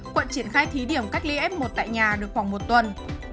quận triển khai thí điểm cách ly f một tại nhà được khoảng một tuần